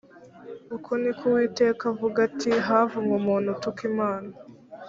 uku ni ko uwiteka avuga ati havumwe umuntu utuka imana